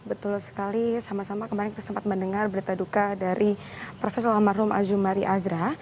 betul sekali sama sama kemarin kita sempat mendengar berita duka dari profesor almarhum azumari azra